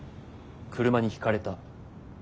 車にひかれた。